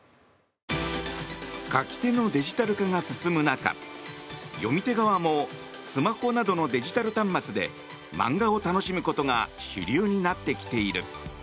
描き手のデジタル化が進む中読み手側もスマホなどのデジタル端末で漫画を楽しむことが主流になってきている。